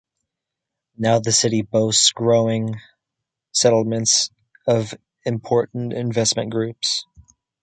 Now the city boasts growing settlements of important investment groups.